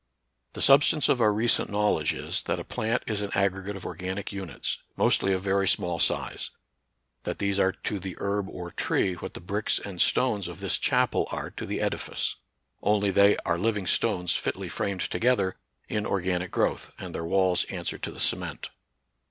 The substance of our recent knowledge is, that a plant is an aggregate of organic units, mostly of very small size ; that these are to the herb or tree what the bricks and stones of this chapel are to the edifice. Only they " are living stones, fitly framed together " in organic growth, and their walls answer to the cement.